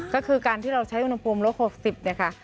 ก็คือการที่เราใช้อุณหภูมิลบลงลบ๖๐นะคะ